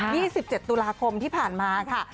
๒๗ตุลาคมที่ผ่านมาค่ะ